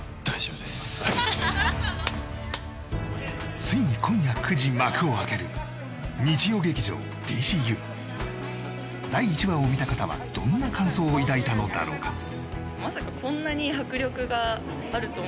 大丈夫ですついに今夜９時幕を開ける日曜劇場「ＤＣＵ」第１話を見た方はどんな感想を抱いたのだろうか？